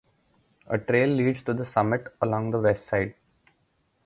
A trail leads to the summit along the west side.